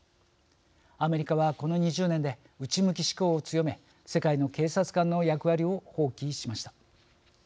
アメリカはこの２０年で内向き志向を強め世界の警察官の役割を放棄しました。